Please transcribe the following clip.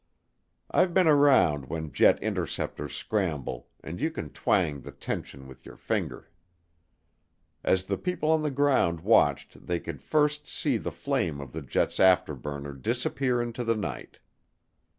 I've been around when jet interceptors scramble and you can twang the tension with your finger. As the people on the ground watched they could first see the flame of the jet's afterburner disappear into the night.